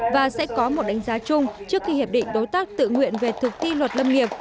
và sẽ có một đánh giá chung trước khi hiệp định đối tác tự nguyện về thực thi luật lâm nghiệp